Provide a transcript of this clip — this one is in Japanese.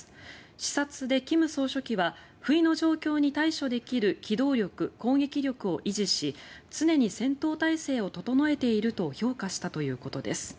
視察で金総書記は不意の状況に対処できる機動力・攻撃力を維持し常に戦闘態勢を整えていると評価したということです。